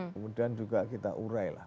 kemudian juga kita urai lah